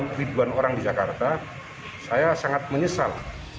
ribuan orang di jakarta saya sangat menyesal